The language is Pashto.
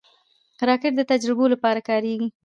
راکټ د تجربو لپاره کارېږي